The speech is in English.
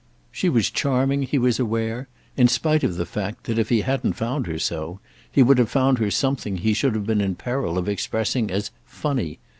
She was charming, he was aware, in spite of the fact that if he hadn't found her so he would have found her something he should have been in peril of expressing as "funny."